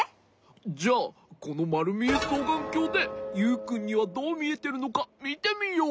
じゃこのまるみえそうがんきょうでユウくんにはどうみえてるのかみてみよう。